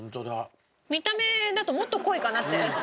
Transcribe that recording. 見た目だともっと濃いかなって。